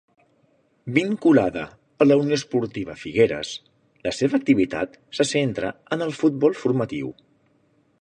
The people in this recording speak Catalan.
Vinculada a la Unió Esportiva Figueres, la seva activitat se centra en el futbol formatiu.